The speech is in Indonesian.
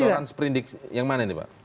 pembocoran sprinting yang mana ini pak